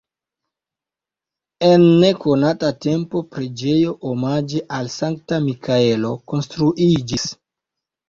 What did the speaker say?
En nekonata tempo preĝejo omaĝe al Sankta Mikaelo konstruiĝis.